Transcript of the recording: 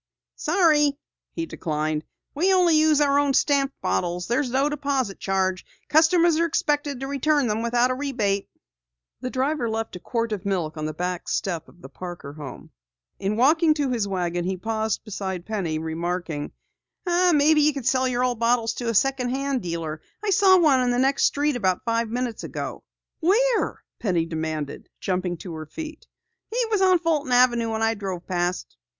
"Sorry," he declined. "We use only our own stamped bottles. There's no deposit charge. Customers are expected to return them without rebate." The driver left a quart of milk on the back doorstep of the Parker home. In walking to his wagon, he paused beside Penny, remarking: "Maybe you could sell your old bottles to a second hand dealer. I saw one on the next street about five minutes ago." "Where?" Penny demanded, jumping to her feet. "He was on Fulton Avenue when I drove past."